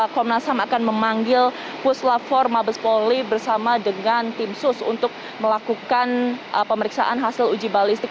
komnas ham akan memanggil puslap empat mabes polri bersama dengan tim sus untuk melakukan pemeriksaan hasil uji balistik